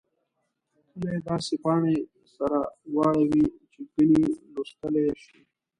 کله یې داسې پاڼې سره واړوئ چې ګنې لوستلای یې شئ.